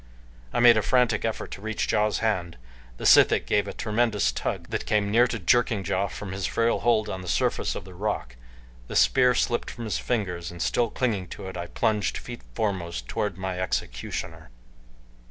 I made a frantic effort to reach Ja's hand, the sithic gave a tremendous tug that came near to jerking Ja from his frail hold on the surface of the rock, the spear slipped from his fingers, and still clinging to it I plunged feet foremost toward my executioner.